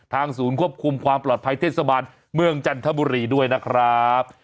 ศูนย์ควบคุมความปลอดภัยเทศบาลเมืองจันทบุรีด้วยนะครับ